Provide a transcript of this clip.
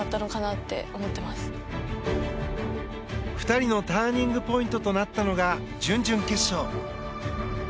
２人のターニングポイントとなったのが準々決勝。